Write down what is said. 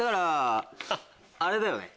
あれだよね？